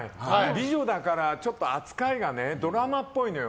美女だからちょっと扱いがドラマっぽいのよ。